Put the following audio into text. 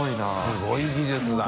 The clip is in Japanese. すごい技術だな。